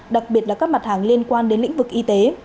đặc biệt là các mặt hàng liên quan đến lĩnh vực y tế